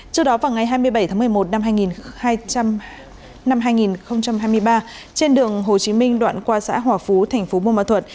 trước đó vào ngày hai mươi bảy tháng một mươi một năm hai nghìn hai mươi ba trên đường hồ chí minh đoạn qua xã hòa phú thành phố buôn ma thuật